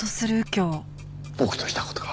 僕とした事が！